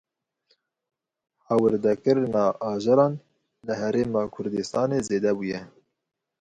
Hawirdekirina ajelan li Herêma Kurdistanê zêde bûye.